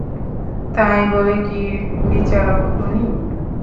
তাই বলে কি বিচারক খুনী?